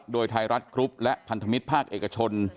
โดยไทยรัฐกรุ๊ปและพันธมิตรภาคเอกชน